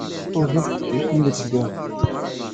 Tuẓaf teqcict-nni deg dduḥ.